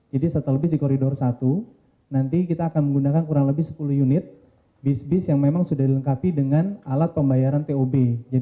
jadi shuttle bus di koridor satu nanti kita akan menggunakan kurang lebih sepuluh unit bus bus yang memang sudah dilengkapi dengan alat pembayaran tob